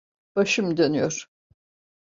Başım dönüyor.